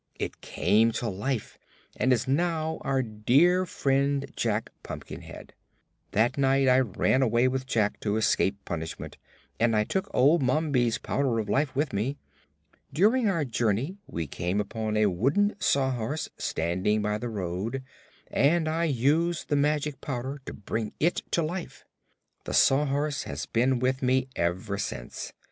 It came to life and is now our dear friend Jack Pumpkinhead. That night I ran away with Jack to escape punishment, and I took old Mombi's Powder of Life with me. During our journey we came upon a wooden Sawhorse standing by the road and I used the magic powder to bring it to life. The Sawhorse has been with me ever since.